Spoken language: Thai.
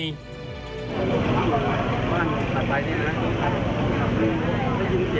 กลุ่มด้านสีของหลัดกลุ่มมือ